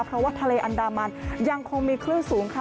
เพราะว่าทะเลอันดามันยังคงมีคลื่นสูงค่ะ